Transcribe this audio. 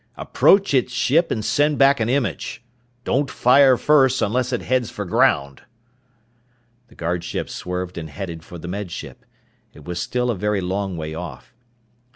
"Approach its ship and send back an image. Don't fire first unless it heads for ground." The guard ship swerved and headed for the Med Ship. It was still a very long way off.